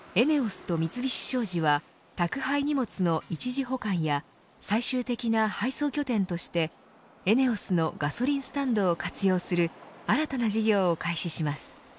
ＥＮＥＯＳと三菱商事は宅配荷物の一時保管や最終的な配送拠点としてＥＮＥＯＳのガソリンスタンドを活用する新たな事業を開始します。